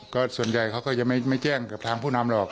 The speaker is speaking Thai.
ก็ส่วนใหญ่เขาก็จะไม่แจ้งกับทางผู้นำหรอก